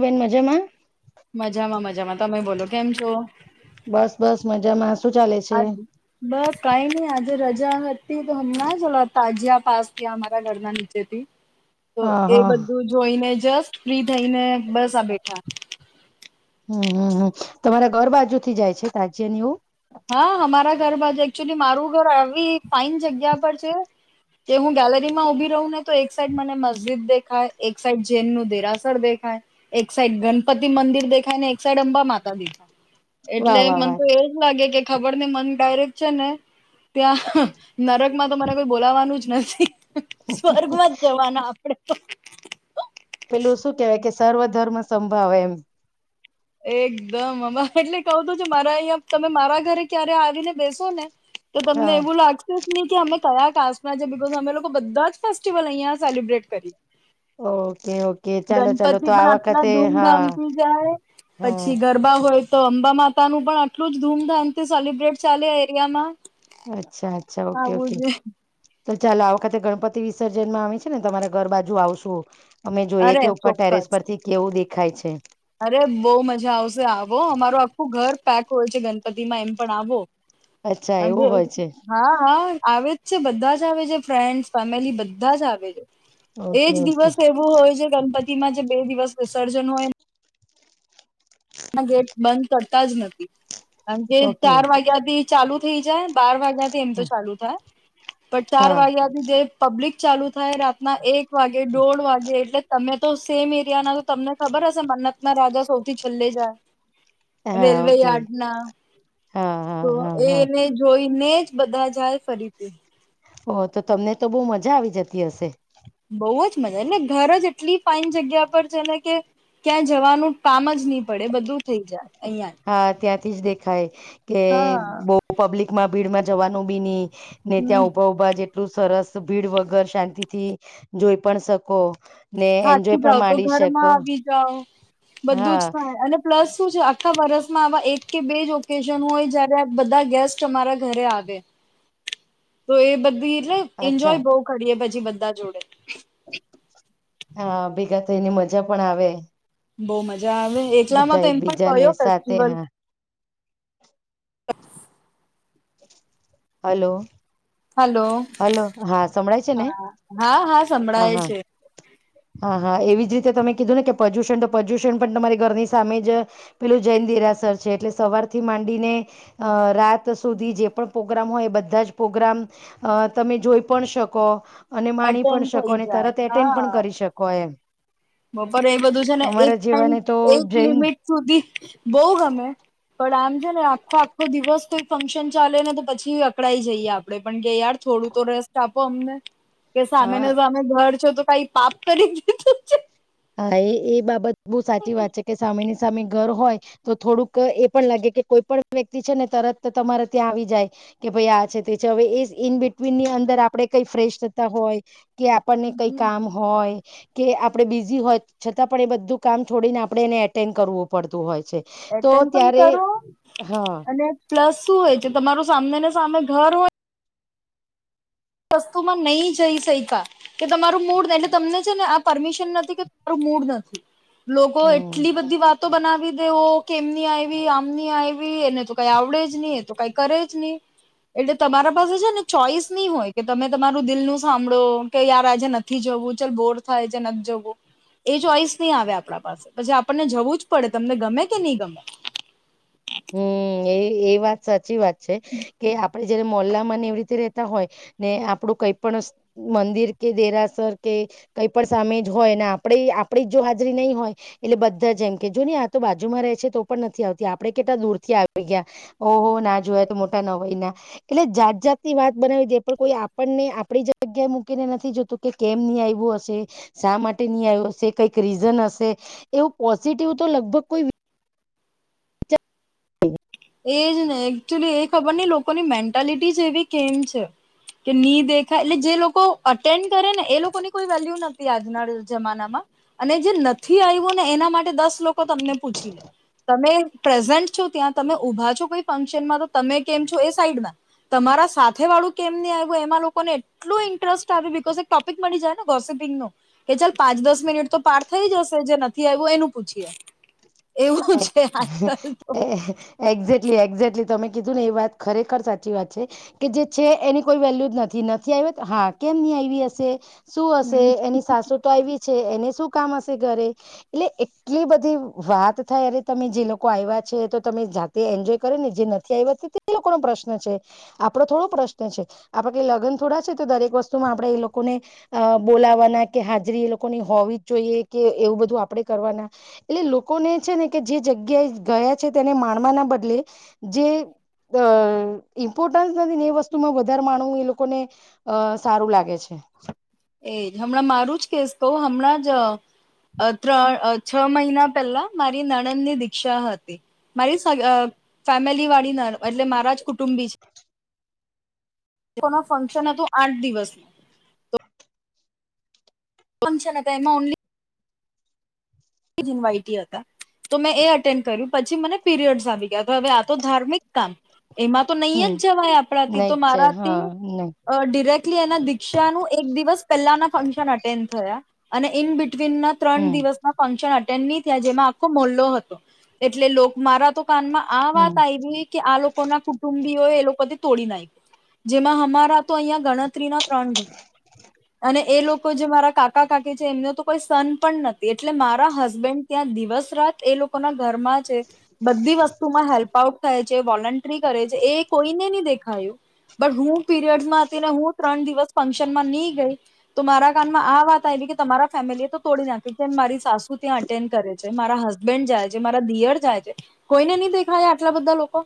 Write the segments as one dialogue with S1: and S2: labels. S1: બેન મજામાં
S2: મજામાં મજામાં તમે બોલો કેમ છો
S1: બસ બસ મજામાં શું ચાલે છે
S2: [unintelligible] બસ કઈ ની આજે રજા હતી તો હમ ના લોતા જિયા પાસ થયા અમારા ઘરના નીચેથી તો
S1: હા
S2: એ
S1: હા
S2: બધું જોઈને જસ્ટ ફ્રી થઈને
S1: [inaudible]
S2: બસ આ બેઠા
S1: હમ હમ હમ. તમારા ઘર બાજુ થી જાય છે તાજ્યા ને એવું.
S2: હા હમારા ઘર બાજુ એકચુલી મારું ઘર આવી ફાઇન જગ્યા પર છે. કે હું ગેલેરી માં ઉભી રહું ને તો એક સાઈડ મને મસ્જિદ દેખાય એક સાઈડ જેૈન નુ દેરાસર દે. એક સાઈડ ગણપતિ મંદિર દેખાય ને એક સાઈડ અંબા માતા દેખાય. એટલે
S1: વાહ વાહ
S2: મને
S1: વાહ
S2: તો એજ લાગે કે ખબર ને મને ડાયરેક્ટ છે ને. ત્યાં નરક માં તો મને કોઈ બોલાવાનું જ નથી. સ્વર્ગમાં જ જવાના આપણેે તો.
S1: પેલું શું કેવાય કે સર્વ ધર્મ સંભાવે એમ.
S2: એકદમ અ એટલે કઉ તો છું મારા અહીંયા તમે મારા ઘરે ક્યારે આવીને બેસો ને. તો તમને
S1: હા
S2: એવું લાગશે. નહી કે અમે કયા કાસ્ટમાં છે બિકોઝ અમે લોકો બધા જ ફેસ્ટિવલ અહિયાં સેલિબ્રેટ કરીએ.
S1: ઓકે ઓકે ચાલો
S2: ગણપતિ
S1: ચાલો તો આ
S2: પણ આટલા
S1: વખતે હા
S2: ધૂમધામથી જાય.
S1: હા
S2: પછી ગરબા. હોય તો અંબા માતા નું પણ આટલું જ ધૂમધામ થી સેલિબ્રેટ ચાલે આ એરિયામાં
S1: અચ્છા અચ્છા ઓકે
S2: આવું
S1: ઓકે.
S2: છે
S1: તો ચાલો આ વખતે ગણપતિ વિસર્જન માં અમે છે ને તમારે ઘર બાજુ આવશું. અમે જોઈએ
S2: અરે
S1: કે ઉપર ટેરેસ
S2: ચોક્કસ
S1: પરથી કેવું દેખાય છે.
S2: અરે બોવ મજા આવશે આવો અમારું આખું ઘર પેક હોય છે ગણપતિમાં એમ પણ આવો.
S1: અચ્છા એવું
S2: કારણકે
S1: હોય છે
S2: હા હા. આવે જ છે બધા જ આવે છે ફ્રેન્ડ્સ ફેમિલી બધા જ આવે છે.
S1: ઓકે
S2: એજ
S1: ઓકે
S2: દિવસ એવું હોય જે ગણપતિમાં જે બે દિવસ વિસર્જન હોયને. ગેટ બંધ કરતા જ નથી કારણ કે
S1: ઓકે
S2: ચાર વાગ્યા થી. ચાલુ થઈ જાય બાર વાગ્યાથી એમ તો ચાલુ થાય પણ ચાર
S1: હા
S2: વાગ્યાથી જે પબ્લિક. ચાલુ થાય રાતના એક વાગે, દોઢ વાગે એટલે તમે. તો સેમ એરિયાના તો તમને ખબર હશે મન્નતનાં રાજા સૌથી છેલ્લે જાય.
S1: હા હા ઓકે
S2: રેલ્વેયાર્ડનાં
S1: હા હા
S2: તો
S1: હા હા
S2: એને જોઈને જ. બધાં જાય ફરીથી.
S1: ઓ તો તમને તો બો મજા આવી જતી હશે.
S2: બોઉજ મજા એટલે ઘરજ એટલી ફાઈન જગ્યા પર છેને કે. ક્યાં જવાનું કામ જ ની પડે બધું થઈ જાય. અહિયાં
S1: હા, ત્યાંથી જ દેખાય કે
S2: હા
S1: બો પબ્લિકમાં ભીડમાં જવાનું બી ની. ને ત્યાં
S2: હમ
S1: ઊભા ઊભા જેટલું સરસ ભીડ વગર શાંતિથી જોઈ પણ શકો. ને
S2: થાકી
S1: એન્જોય પણ
S2: જાવતો
S1: માણી
S2: ઘરમાં
S1: શકો
S2: આવી જાવ બધું
S1: હા
S2: જ થાય અને પ્લસ શું છે આ. આખા વરસમાં આવા એક કે બેજ ઓકેશન હોય જયારે બધાં ગેસ્ટ મારા ઘરે આવે.
S1: [inaudible]
S2: તો એ બધી એટલે
S1: અચ્છા
S2: એન્જોય બો કરીએ પછી બધાં જોડે.
S1: હા, ભેગા થઈને મજા પણ આવે.
S2: બોવ મજા આવે એકલામાં
S1: બધા
S2: તો એમ પણ
S1: એકબીજાને
S2: કયો
S1: સાથે
S2: ફેસ્ટિવલ.
S1: હા હલો.
S2: હલો
S1: હલો હા, સંભળાય છેને
S2: હા હા
S1: હા
S2: સંભળાય
S1: હા.
S2: છે
S1: હા હા, એવી જ રીતે તમે કીધુંને કે પ્રદુષણ તો પ્રદુષણ પણ તમારી ઘરની સામે જ પેલું જે. દેરાસર છે એટલે સવારથી માંડીને અ રાત. ત સુધી જે પણ પ્રોગ્રામ હોય એ બધાં જ પ્રોગ્રામ અ તમે જોઈ પણ શકો. અને માણી પણ
S2: અટેન્ડ
S1: શકો
S2: થઈ
S1: અને
S2: જાય
S1: તરત એટેન્ડ પણ
S2: હા
S1: કરી શ.
S2: બપોરે એ બધું છેને એક
S1: અમારા
S2: થન
S1: જેવાને તો
S2: એક
S1: જૈન
S2: લિમિટ સુધી બો ગમે. પણ આમ. ને આખો આખો દિવસ કોઈ ફંક્શન ચાલેને તો પછી અકડાઈ જઈએ આપડે પણ કે યાર થોડુંતો રે. આપો અમને કે
S1: અ
S2: સામેને સામે ઘર છેતો કઈ પાપ કરી દીધો છે.
S1: હા, એ એ બાબત બો સાચી વાત છેકે સામેની. સામે ઘર હોય, તો થોડુંક એ પણ લાગે, કે કોઈ પણ વ્યક્તિ છેને, તરત તમારે ત્યાં આવી જાય. કે ભઈ આછે તેછે હવે, એ ઈન બિટવીનની અંદર આપડે કઈ ફ્રેશ થતાં, હોય કે આપણને કઈ કામ
S2: હમ.
S1: હોય, કે આપડે બી હોય, છતાં પણ એ બધું કામ છોડીને આપડે એને એટેન્ડ કરવું પડતું હોય. છે તો
S2: એટેન્ડ પણ
S1: ત્યારે
S2: કરો,
S1: હા
S2: અને પ્લસ શું હોય છે, તમારું સામનેને સામે ઘર હોય વસ્તુમાં નઈ જઈ, શયકા કે તમારું મૂડ એટલે તમને છેને, આ પરમિશન નથી, કે મૂડ નથી, લોકો
S1: હમ
S2: એટલી બધી, વાત તો બનાવી દેવો કેમની આયવી, આમની આયવી એને તો કઈ આવડે જ ની એતો કઈ કરે જ ની. એટલે તમારા પાસે છેને, ચોઈસની હોય. કે તમે તમારું દિલનું સાંભળો કે યાર આજે નથી, જવું ચાલ બોર થાય છે, નથી જવું એ ચોઈસની આવે આપરા પાસે પછી આપણને જવું, જ પડે તમને ગમે, કે ની ગમે.
S1: હમ, એ એ વાત સાચી વાત છે, કે આપડે જયારે મોલ્લા એવી રીતે રેતા હોય, ને આપડું કઈ પણ મંદિર કે દેરાસર, કે કઈ પણ સામે જ હોય, ને આપડી આપડી જ જો હાજરી નય હોય, એટલે બધાં જ એમ કે જોની આતો બાજુમાં રહે છે, તો પણ નથી, આવતી આપ આપરે કેટલા દૂરથી આવી ગયાં, હો હો ના જોયા, તો મોટા ન હોયનાં એટલે જાત જાતની, વાત બના જે પણ કોઈ આપણને આપરી જગ્યાએ મૂકીને નથી, જોતું કે કેમની આયવું હશે, શા માટે ની આયવું, હશે કઈંક રીઝન હશે એવું પોઝિટિવતો લગભગ કોઈ [inaudible]
S2: એજને એકચુલી એ ખબરની લોકોની, મેન્ટાલિટી જ એવી કેમ છે. ની દેખાય એટલે જે લોકો અટેન્ડ કરેને, એ લોકોને કોઈ વેલ્યુ નથી, આજના જમાનામાં. અને જે નથી, આયવુંને એના માટે દસ લો તમને પૂછીલે તમે પ્રેઝન્ટ છો, ત્યાં તમે ઉઊભા છો, કોઈ ફંક્શનમાં તો તમે કેમ છો? એ સાઈડમાં તમારા સાથે વાળું કેમ ની આવ્યું, એમાં લોકોને એટલું ઇન્ટરેસ્ટ આવે, બિકઝ એક ટોપિક મળી જાય નેો કે ચાલ પાંચ-દસ મિનિટ, તો પાર થઈ, જશે જે નથી, આવ્યું એનું પૂછીએ. એવું છે, આજકાલ તો
S1: એક્ઝેક્ટલી. એક્ઝેક્ટલી, તમે કીધું ને એ વાત ખરેખર સાચી વાત છે, કે જે છે એની કોઈ વેલ્યુ જ નથી. નથી આવ હા, કેમ ની આવી હશે? શું હશે? એની સાસુ તો આવી. છે, એને શું કામ હશે ઘરે? એટલે એટલી બધી વાત. થ અ્યારે તમે જે લોકો આવ્યા છે, તો તમે જાતે એન્જોય કરો ને જે નથી, આવ્યા તે લોકો ન પ્રશ્ન છે. આપડો થોડો પ્રશ્ન છે. આપડ લગ્ન થોડા છે, તો દરેક વસ્તુમાં આપણે એ લોકોને બોલા. કે હાજરી, એ લોકોની હોવી જ જોઈએ, કે એવું બધું આપડે કરવાના, એટલે લોકોને છેને, કે જે જગ્યાએ ગયા છે. તેને માણવાના બદલે જે અ ઇમ્પોર્ટન્સ નથી, ને એ વસ્તુમાં વધારે માણવું, એ લોકોને અ સારું લાગે છે. [inaudible]
S2: એજ, હમણાં મારું જ કેસ કહ, હમણાં જ. અ ત્રણ છ, મહિના પહેલા મારી નણંદની દીક્ષા હતી. મારી ફેમિલી વાળીના, એટલે મારા જ કુટુંબી છે. નું ફંક્શન હતું, આઠ દિવસનું તો ઓ છેના, પ એમાં ઓન્લી [unintelligible] તો મેં એ અટેન્ડ કર્યું, પછી મને પીરિયડ્સ આવી ગયા, હવે આ તો ધાર્મિક કામ. એમાં તો નહી,
S1: હમ
S2: જ જવાય આપણાથી.
S1: નહી
S2: તો
S1: જ છે
S2: મારાથી
S1: હા નહી
S2: અ ડિરેક્ટલી એના દીક્ષાનું, એક દિવસ પહેલાના ફંક્શન અટેન્ડ થયા. અને ઇન બિટવીન, ના ત્રણ
S1: હમ
S2: દિવસના ન થયા, જેમાં આખો મોલ્લો હતો. એટલે મારા મા આ
S1: હમ
S2: વાત આવી કે, આ લોકો ના કુટુંબીઓ, એ લોકો તોડી નાખ, જેમાં અમારા તો અહં ગણ. સત્રીના ત્રણ ગણ અને એ લોકો જે મારા કા કા કાકી છે એમને તો કોઈ સન પણ નથી એટલે મારા હસબેન્ડ ત્યાં દિવસ રાત એ લોકોના ઘરમાં છે બધી વસ્તુમાં હેલ્પ આઉટ થાય છે વોલન્ટ્રી કરે છે એ કોઈને નહી દેખાયું બટ હું પીરિયડસમાં હતી ને હું ત્રણ દિવસ ફંક્શનમાં નહી ગઈ તો મારા કાનમાં આ વાત આવી કે તમારા ફેમિલી એ તોડી નાખી મારી સાસુ ત્યાં અટેન્ડ કરે છે મારા હસબન્ડ જાય છે મારા દીયર જાય છે કોઈને નહી દેખાયા આટલા બધા લોકો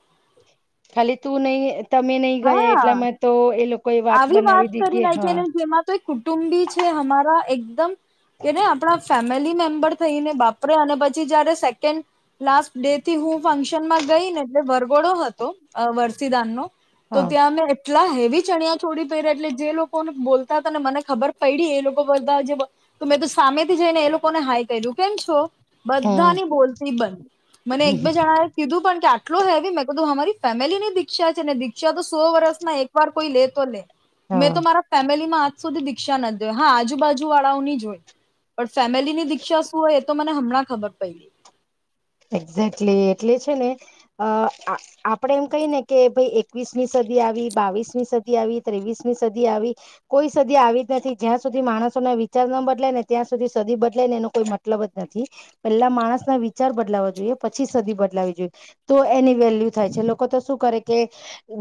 S1: ખાલી તું નહી તમે નહી ગયા
S2: હા
S1: એટલામાં તો એ લોક
S2: આવી વાત કરી નાયખી અને જેમાં તો કુટુંબી છે અમારા એકદમ કેને આપણા ફેમિલી મેમ્બર થઈને વાપરે અને પછી જયારે સેકન્ડ લાસ્ટ ડેથી હું ફંક્શનમાં ગઈને એટલે વરઘોડો હતો વરસીદાન નો તો
S1: હા
S2: ત્યાં અમે એટલા હેવી ચણિયા ચીળી પહેર્યા એટલે જે લોકોને બોલતા હતાને મને ખબર પયડી એ લોકો બધા જે ત મે તો સામેથી જઈ ને એ લોકોને હાઈ કર્યું કેમ છો.
S1: હમ
S2: બધાની બોલતી બન મને
S1: હ
S2: એક બે જણાએ કીધું પણ કે આટલો હેવી મેં કધું અમારી ફેમિલી ની દિક્ષા છે ને દીક્ષા તો સો વર્ષમાં એક વાર કોઈ લે તો લે
S1: હા
S2: મેં તો મારા ફેમિલીમાં આજ સુધી દીક્ષા નથી જોઈ હા આજુબાજુ વાળાઓની હોય પણ ફેમિલીની દીક્ષા શું હોય એ તો મને હમણાં ખબર પયડી
S1: એક્ઝેક્ટલી એટલે છે ને અ આપણે એમ કહી ને કે ભાઈ એકવીસમી સ ડી આવી બાવીસમી સદી આવી ત્રેવીસમી સદી આવી કોઈ સદી આવી જ નથી જ્યાં સુધી માણસો વિચાર બદલાય ન ત્યાં સુધી સદી બદલાય ને એનો કોઈ મતલબ જ નથી પેલા માણસના વિચાર વિચાર બદલાવા જોઈએ પછી સદી બદલાવી જોઈએ તો એની વેલ્યુ થાય છે લોકો તો શું કરે કે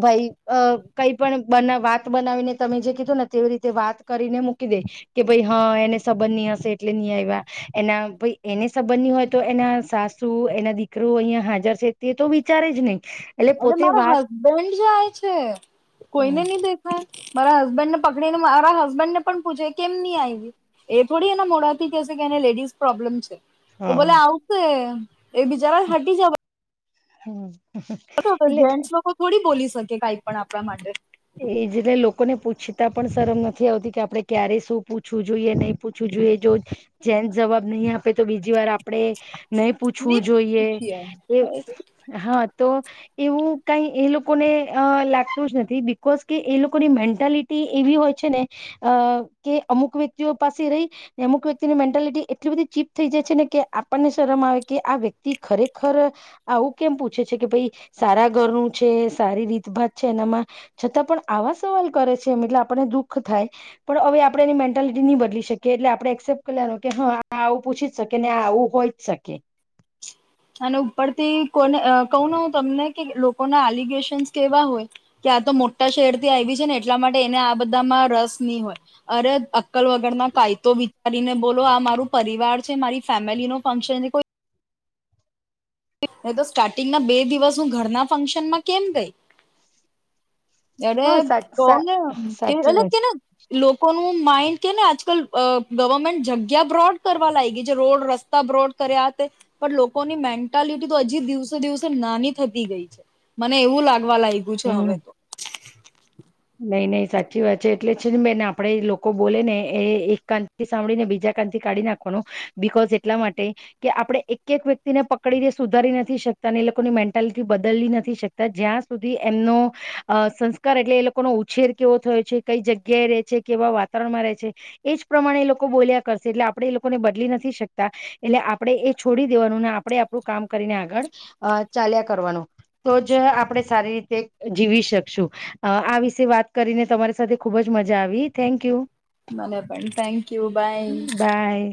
S1: ભાઈ અ કઈ પણ બન વાત બનાવીને તમે જે કીધું ને તેવી રીતે વાત કરીને મૂકી દે કે ભાઈ હા એને સંબંધની હશે એટલે નહી આવ્યા એના એને સંબંધની હોય તો એના સાસુ એના દીકરો અહિયાયા હાજર છે તે તો વિચારે જ નહી એટલે
S2: અને
S1: પોતે
S2: મારા
S1: વાત
S2: હસબેન્ડ જાય છે
S1: હમ
S2: કોઈને ની દેખાય મારા હસબન્ડ ને પકડીને મારા હસબન્ડ ને પણ પૂછે કેમ ની આવી એ થોડી એના મોડા થી કે શે કે લેડીઝ પ્રોબ્લેમ છે તો ભલે આવશે એ બિચારા હટી જવા
S1: હમ
S2: બ બસ
S1: એટલે
S2: જેન્ટ્સ લોકો થોડી બોલી શકે કઈક પણ આપણા માટે
S1: એજ એટલે લોકોને પૂછતા પણ શરમ નથી આવતી કે આપણે ક્યારે શું પૂછવું જોઈએ નહી પૂછવું જોઈએ જો જેનટસ જવાબ નહીં આપે તો બીજી વાર આપ આપણે નહી
S2: ની
S1: પૂછવું જોઈએ
S2: પૂછીએ.
S1: એ હા તો એવું કઈ એ લોકોને અ લાગતું જ નથી બીકોઝ કે એ લોકોની મેન્ટાલિટી એવી હોય છે ને અ કે અમુક વ્યક્તિઓ પાસે રહી અમુક વ્યક્તિની મેન્ટાલિટી એટલી બધી ચીપ થઈ જાય છે ને કે આપણને શરમ આવે કે આ વ્યક્તિ ખરેખર આવું કેમ પૂછે છે કે ભાઈ સારા ઘરનું છે સારી રીતભાત છે એનામાં છતાં પણ આવા સવાલ કરે છે એમ એટલે આપણને દુઃખ થાય પણ હવે આપણે એની મેન્ટાલિટી નહી બદલી શકીએ એટલે આપણે એક્સેપ્ટ કર લેવાનું કે હ આ આવું પૂછી જ શકી ને આવું હોય જ શકે
S2: [unintelligible] અને ઉપરથી કોને કવુ ના હ તમને કે લોકોના એલિગેશનસ કેવા હોય આ તો મોટા શહેરથી આવી છે ને એટલા માટે એને આ બધામાં રસની હોય અરે અક્કલ વગરના કાય તો વિચારીને બોલો આ મારું પરિવાર છે મારી ફેમિલી નો ફંક્શન છે કોઈ મેં તો સ્ટાર્ટિંગના બે દિવસ હું ઘરના ફંક્શનમાં કેમ ગઈ એરે
S1: હા સાચ સા
S2: કહને કે
S1: સાચી
S2: અલગ
S1: વાત
S2: કે ના લો કોનુ માઇન્ડ કે ને આજકાલ અ ગવર્મેન્ટ જગ્યા બ્રોડ કરવા લાગ ગઈ છે રોડ રસ્તા બ્રોડ કરે આ તે પણ લોકોની મેન્ટાલિટી હજી દિવસે દિવસે નાની થતી ગઈ છે મને એવું લાગે ગવા લાગ્યું છે હવે
S1: હમ
S2: તો
S1: નઈ નહીં સાચી વાત છે એટલે છે ને બેને આપડે લોકો બોલે ને એ એક કાંતથી સાંભળી ને બીજા કાંતથી [unintelligible] બીકોઝ એટલા માટે કે આપણે એક એક વ્યક્તિને પકડીને સુધારી નથી શકતા ની મેન્ટાલિ બદલી નથી શકતા જ્યાં સુધી એમનો સંસ્કાર એટલે એ લો લોકોનો ઉછેર કેવો થયો છે કઈ જગ્યા એ રે છે કેવા વાતાવરણમાં રહે છે એજ પ્રમાણે લોકો બોલ્યા કર એટલે આપણેે એ લોકોને બદલી નથી શકતા એટલે આપણે એ છોડી દેવાનું ને આપણે આપણું કામ કરીને આગળ અ ચાલ્યા કરવાનો તો જ આપણે સારી રીતે જીવી શકશું અ આ વી શે વાત કરીને તમારી સાથે ખુબ જ મજા આવી થેન્ક યુ
S2: મને પણ થેન્કયુ બાય [unintelligible]
S1: બાય.